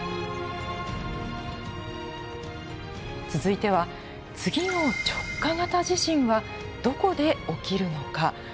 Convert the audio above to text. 続いては次の直下型地震はどこで起きるのか？